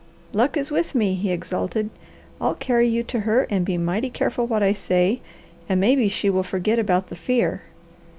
"Luck is with me!" he exulted. "I'll carry you to her and be mighty careful what I say, and maybe she will forget about the fear."